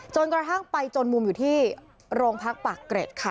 จนกระทั่งไปจนมุมอยู่ที่โรงพักปากเกร็ดค่ะ